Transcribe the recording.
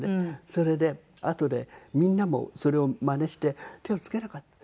それであとでみんなもそれをマネして手をつけなかった。